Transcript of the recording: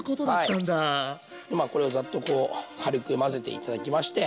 まあこれをザッとこう軽く混ぜて頂きまして。